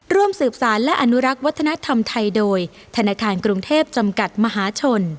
ร่วมสืบสารและอนุรักษ์วัฒนธรรมไทยโดยธนาคารกรุงเทพจำกัดมหาชน